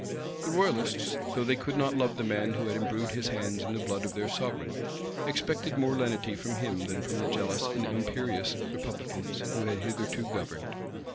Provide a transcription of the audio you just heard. The royalists, though they could not love the man who had imbrued his hands in the blood of their sovereign, expected more lenity from him than from the jealous and imperious republicans, who had hitherto governed.